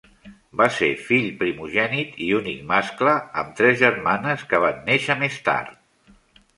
Va ser fill primogènit i l'únic mascle, amb tres germanes que van néixer més tard.